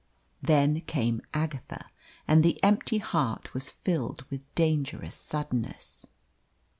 Then came Agatha, and the empty heart was filled with a dangerous suddenness.